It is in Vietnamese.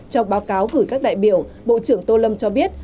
trong báo cáo gửi các đại biểu bộ trưởng tô lâm cho biết